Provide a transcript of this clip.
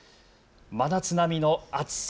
真夏並みの暑さ。